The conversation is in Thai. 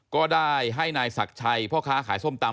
ก็ได้ให้นายศักดิ์ชัยพ่อค้าขายส้มตำ